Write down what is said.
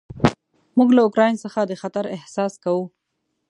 موږ له اوکراین څخه د خطر احساس کوو.